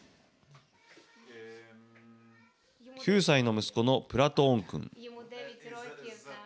９歳の息子のプラトーンくん。